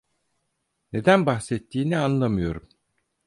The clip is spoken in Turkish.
Neden bahsettiğini anlamıyorum.